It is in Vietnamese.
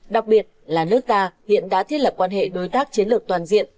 đặc biệt là nước ta hiện đã thiết lập quan hệ đối tác chiến lược toàn diện